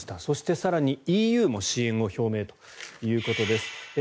そして、更にＥＵも支援を表明ということです。